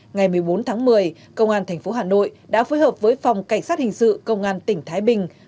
ngày một mươi bốn tháng một mươi công an tp hà nội đã phối hợp với phòng cảnh sát hình sự công an tỉnh thái bình